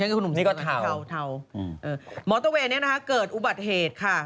นี่ก็เทามอเตอร์เวย์เนี่ยนะคะเกิดอุบัติเหตุค่ะ